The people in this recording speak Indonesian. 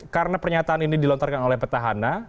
karena pernyataan ini dilontarkan oleh petahana